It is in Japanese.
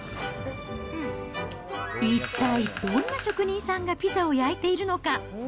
一体、どんな職人さんがピザを焼いているのか？